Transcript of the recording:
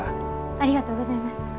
ありがとうございます。